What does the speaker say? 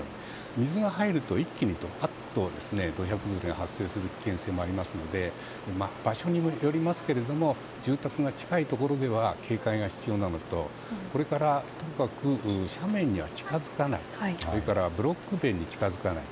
水が入ると一気に土砂崩れが発生する危険性がありますので場所によりますが住宅が近いところでは警戒が必要なのとこれから斜面には近づかないそれからブロック塀に近づかない。